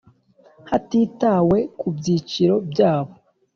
hatitawe ku byiciro byabo